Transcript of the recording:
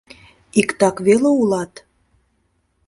Иктак веле улат...